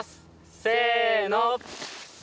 せの！